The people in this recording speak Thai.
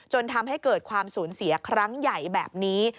จนทำให้เกิดความสูญเสียครั้งใหญ่แบบนี้